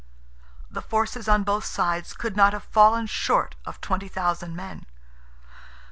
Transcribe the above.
The forces on both sides could not have fallen short of twenty thousand men.